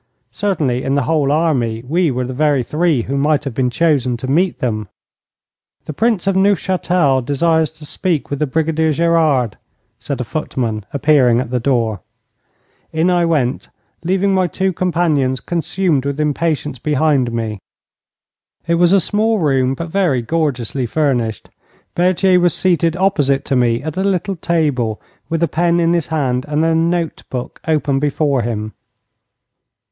Certainly in the whole army we were the very three who might have been chosen to meet them. 'The Prince of Neufchâtel desires to speak with the Brigadier Gerard,' said a footman, appearing at the door. In I went, leaving my two companions consumed with impatience behind me. It was a small room, but very gorgeously furnished. Berthier was seated opposite to me at a little table, with a pen in his hand and a note book open before him.